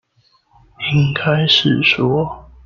應該是說